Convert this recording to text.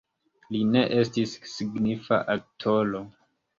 Li ne estis signifa aktoro.